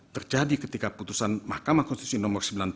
terjadi ketika putusan mahkamah konstitusi nomor sembilan puluh tujuh